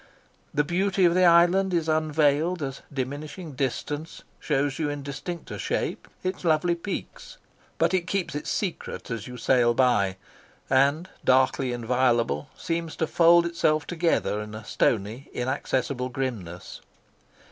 The beauty of the island is unveiled as diminishing distance shows you in distincter shape its lovely peaks, but it keeps its secret as you sail by, and, darkly inviolable, seems to fold itself together in a stony, inaccessible grimness.